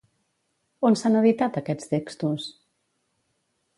On s'han editat aquests textos?